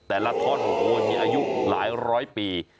แต่ละท่อนโอ้โหมีอายุหลายร้อยปี